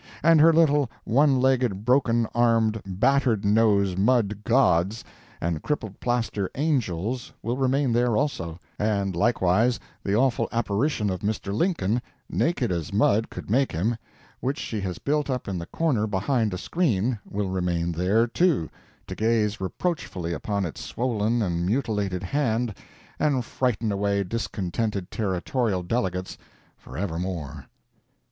And her little, one legged broken armed, battered nose mud gods and crippled plaster angels will remain there also; and likewise the awful apparition of Mr. Lincoln, naked as mud could make him, which she has built up in the corner behind a screen, will remain there, too, to gaze reproachfully upon its swollen and mutilated hand and frighten away discontented Territorial delegates for ever more.